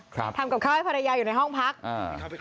ทำกับข้าวให้ภรรยาอยู่ในห้องพักอ่า